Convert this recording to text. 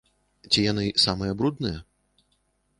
Ці яны самыя брудныя?